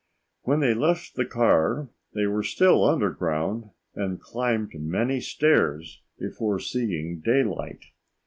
When they left the car they were still underground and climbed many stairs before seeing daylight.